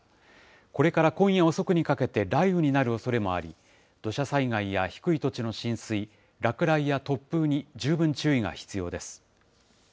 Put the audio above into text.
これから今夜遅くにかけて雷雨になるおそれもあり、土砂災害や低い土地の浸水、落雷や突風に十分注意が必要です。